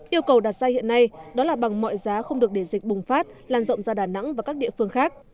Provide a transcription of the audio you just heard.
yêu cầu đặt ra hiện nay đó là bằng mọi giá không được để dịch bùng phát lan rộng ra đà nẵng và các địa phương khác